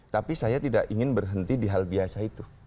tapi saya tidak ingin berhenti di hal biasa itu